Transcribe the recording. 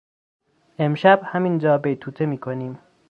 امشب همین جا بیتوته میکنیم.